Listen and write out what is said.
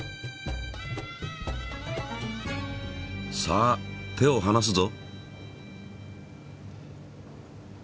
さあ手をはなすぞ。